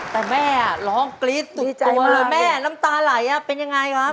แต่แม่ร้องกรี๊ดตกใจเลยแม่น้ำตาไหลเป็นยังไงครับ